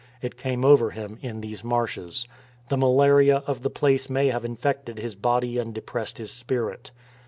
It came over him in these marshes. The malaria of the place may have infected his body and depressed his spirit.